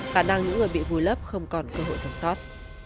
khả năng những người bị vùi lấp không còn cơ hội sống sót